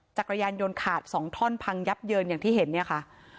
จักรยานยนต์ขาด๒ท่อนพังยับเยินอย่างที่เห็นเนี่ยค่ะ